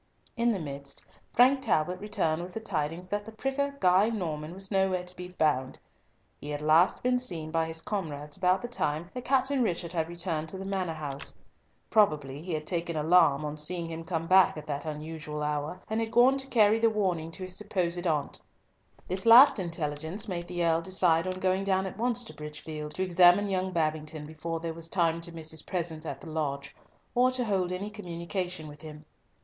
In the midst, Frank Talbot returned with the tidings that the pricker Guy Norman was nowhere to be found. He had last been seen by his comrades about the time that Captain Richard had returned to the Manor house. Probably he had taken alarm on seeing him come back at that unusual hour, and had gone to carry the warning to his supposed aunt. This last intelligence made the Earl decide on going down at once to Bridgefield to examine young Babington before there was time to miss his presence at the lodge, or to hold any communication with him.